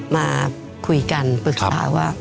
มาคุยกันปรึกษาว่า